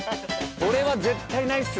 これは絶対ないっすね